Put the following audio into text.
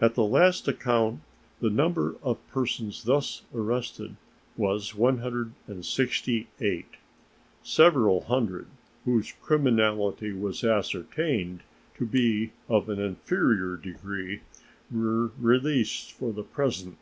At the last account the number of persons thus arrested was 168. Several hundred, whose criminality was ascertained to be of an inferior degree, were released for the present.